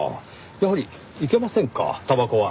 やはりいけませんかたばこは。